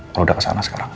kalau udah kesana sekarang